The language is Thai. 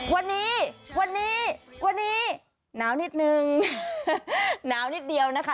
วันนี้วันนี้วันนี้หนาวนิดนึงหนาวนิดเดียวนะคะ